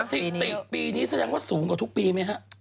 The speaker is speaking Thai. ถิติปีนี้แสดงว่าสูงกว่าทุกปีไหมฮะ